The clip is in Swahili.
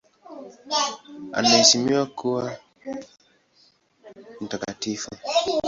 Anaheshimiwa kama mtakatifu.